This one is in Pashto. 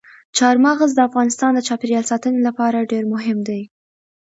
چار مغز د افغانستان د چاپیریال ساتنې لپاره ډېر مهم دي.